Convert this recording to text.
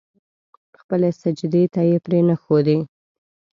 خپلې سجدې ته يې پرې نه ښودې.